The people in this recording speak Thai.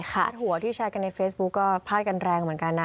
คาดหัวที่แชร์กันในเฟซบุ๊คก็พาดกันแรงเหมือนกันนะ